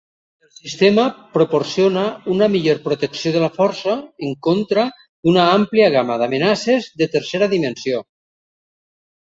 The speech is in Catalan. El sistema proporciona una millor protecció de la força en contra d'una àmplia gamma d'amenaces de tercera dimensió.